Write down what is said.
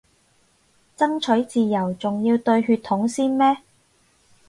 爭取自由仲要對血統先咩